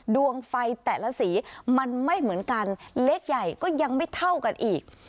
ดวงไฟแต่ละสีมันไม่เหมือนกันเล็กใหญ่ก็ยังไม่เท่ากันอีก